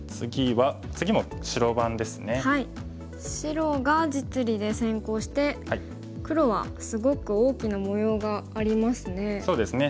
白が実利で先行して黒はすごく大きな模様がありますね。